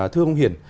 thưa ông hiển